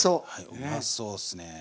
うまそうっすね。